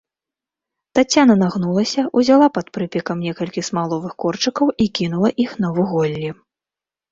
Таццяна нагнулася, узяла пад прыпекам некалькі смаловых корчыкаў і кінула іх на вуголлі.